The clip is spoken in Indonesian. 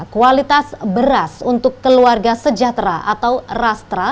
kualitas beras untuk keluarga sejahtera atau rastra